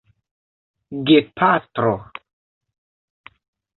gepatro